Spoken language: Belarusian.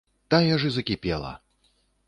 Тая ж і закіпела.